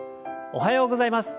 おはようございます。